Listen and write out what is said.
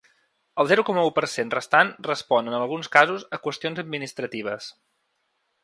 El zero coma u per cent restant respon en alguns casos a qüestions administratives.